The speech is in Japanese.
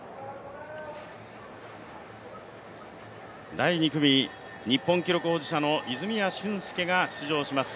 第２組、日本記録保持者の泉谷駿介が出場します。